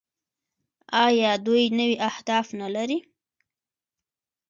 آیا دوی نوي اهداف نلري؟